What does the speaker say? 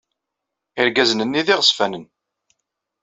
Irgazen-nni d iɣezfanen.